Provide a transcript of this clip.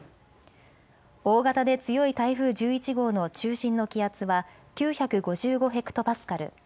大型で強い台風１１号の中心の気圧は９５５ヘクトパスカル。